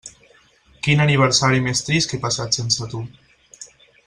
Quin aniversari més trist que he passat sense tu.